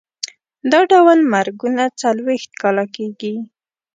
دا ډول مرګونه څلوېښت کاله کېږي.